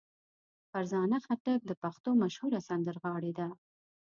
فرزانه خټک د پښتو مشهوره سندرغاړې ده.